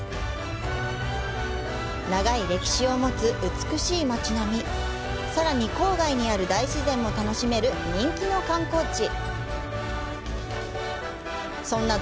長い歴史を持つ美しい街並み、さらに郊外にある大自然楽しめる人気の観光地。